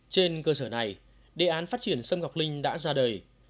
trên cơ sở này đề án phát triển sâm ngọc linh đã ra đời